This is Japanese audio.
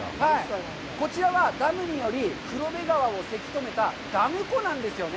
こちらはダムにより黒部川をせきとめたダム湖なんですよね。